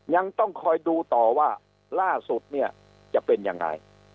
ยังต้องคอยดูต่อว่าล่าสุดเนี่ยจะเป็นยังไง